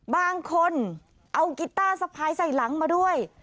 บางคนเอากีต้าสะพายใส่หลังมาด้วย